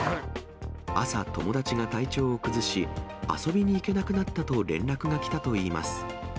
朝、友達が体調を崩し、遊びに行けなくなったと連絡が来たといいます。